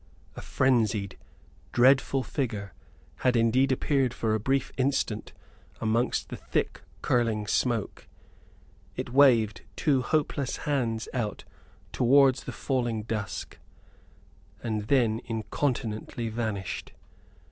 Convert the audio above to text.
A frenzied, dreadful figure had indeed appeared for a brief instant amongst the thick curling smoke. It waved two hopeless hands out towards the falling dusk, and then incontinently vanished.